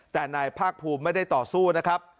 แต่นายภาคภูมิไม่ได้ต่อสู้นะครับ